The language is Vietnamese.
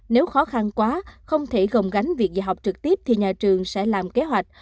nếu khó khăn quá không thể gồng gánh việc dạy học trực tiếp thì nhà trường sẽ làm kế hoạch